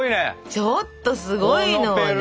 ちょっとすごいのね。